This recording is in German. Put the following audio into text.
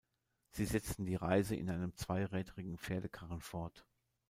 Sie setzen die Reise in einem zweirädrigen Pferdekarren fort.